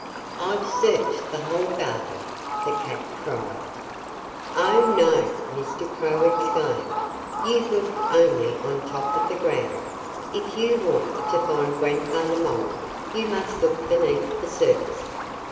"I've searched the whole garden!" the cat cried. "Oh, no!" Mr. Crow exclaimed. "You've looked only on top of the ground. If you want to find Grandfather Mole you must look beneath the surface."